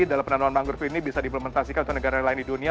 dalam penanaman mangrove ini bisa diimplementasikan untuk negara lain di dunia